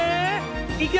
いくよ！